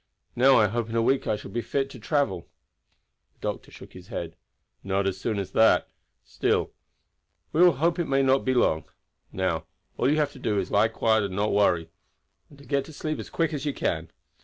Now I hope in a week I shall be fit to travel." The doctor shook his head. "Not as soon as that. Still we will hope it may not be long. Now all you have to do is to lie quiet and not worry, and to get to sleep as quick as you can.